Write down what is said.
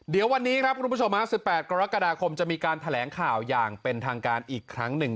เดี๋ยววันนี้ครับคุณผู้ชม๑๘กรกฎาคมจะมีการแถลงข่าวอย่างเป็นทางการอีกครั้งหนึ่ง